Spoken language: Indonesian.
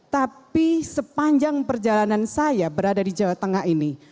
tapi sepanjang perjalanan saya berada di jawa tengah ini